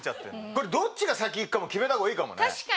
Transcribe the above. これどっちが先いくかも決めた方がいいかもね。